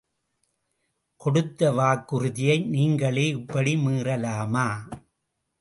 கொடுத்த வாக்குறுதியை நீங்களே இப்படி மீறலாமா?